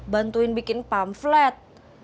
bantuin bikin pamflet